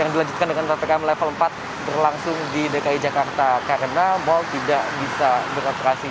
sehingga ppkm level empat berlangsung di dki jakarta karena mal tidak bisa beroperasi